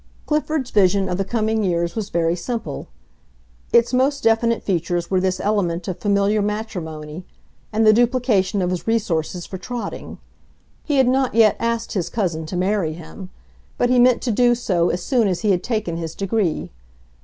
Clifford's vision of the coming years was very simple; its most definite features were this element of familiar matrimony and the duplication of his resources for trotting. He had not yet asked his cousin to marry him; but he meant to do so as soon as he had taken his degree.